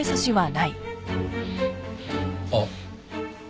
あっ。